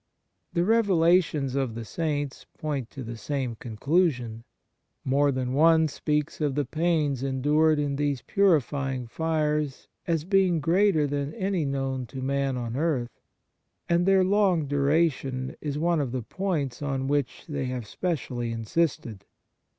The revelations of the Saints point to the same conclusion. More than one speaks of the pains endured in these purifying fires as being greater than any known to man on earth; and their long duration is one of the points on which they have specially insisted.